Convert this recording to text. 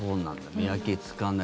見分けつかない。